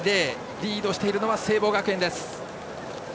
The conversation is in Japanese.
リードしているのは聖望学園です。